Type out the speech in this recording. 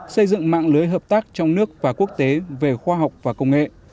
xây dựng mạng lưới hợp tác trong nước và quốc tế về khoa học và công nghệ